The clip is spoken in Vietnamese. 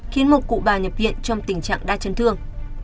khiến một cụ bà nhập viện trong tình trạng đa chấn thương